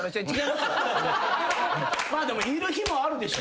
でもいる日もあるでしょ。